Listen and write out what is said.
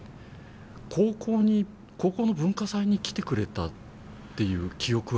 高校に高校の文化祭に来てくれたっていう記憶あります？